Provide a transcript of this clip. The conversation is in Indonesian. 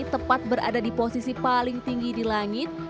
tepat berada di posisi paling tinggi di langit